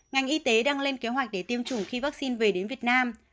ngành y tế đang lên kế hoạch để tiêm chủng khi vaccine về đến việt nam